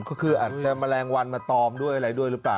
ก็คืออันแมลงวันมาตอบด้วยหรือเปล่า